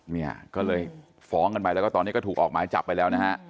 เนี่ยก็เลยฟ้องกันไปแล้วก็ตอนนี้ก็ถูกออกหมายจับไปแล้วนะฮะ